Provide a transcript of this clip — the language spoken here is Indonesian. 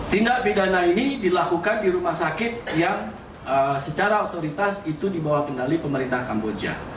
tindak pidana ini dilakukan di rumah sakit yang secara otoritas itu dibawa kendali pemerintah kamboja